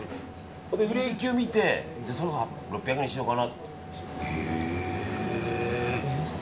売れ行きを見て、そろそろ６００円にしようかなって。